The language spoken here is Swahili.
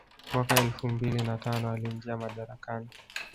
Mwaka elfu mbili na tano aliingia madarakani